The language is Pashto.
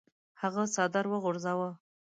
هغه څادر وغورځاوه.